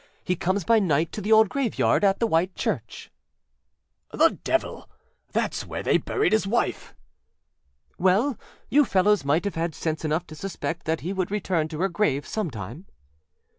He comes by night to the old graveyard at the White Church.â âThe devil! Thatâs where they buried his wife.â âWell, you fellows might have had sense enough to suspect that he would return to her grave some time.